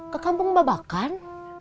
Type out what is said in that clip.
ke kampung babakan